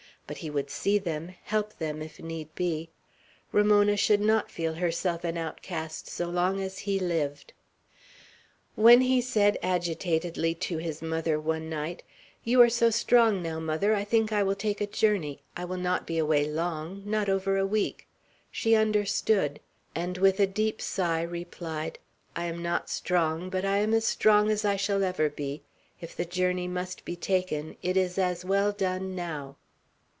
But he would see them; help them, if need be. Ramona should not feel herself an outcast, so long as he lived. When he said, agitatedly, to his mother, one night, "You are so strong now, mother, I think I will take a journey; I will not be away long, not over a week," she understood, and with a deep sigh replied: "I am not strong; but I am as strong as I shall ever be. If the journey must be taken, it is as well done now."